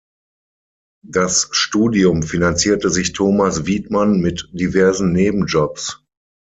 Das Studium finanzierte sich Thomas Widmann mit diversen Nebenjobs.